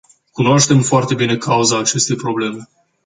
Cunoaștem foarte bine cauza acestei probleme.